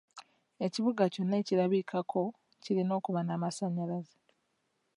Ekibuga kyonna ekirabikako kirina okuba n'amasanyalaze.